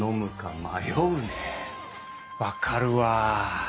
分かるわ。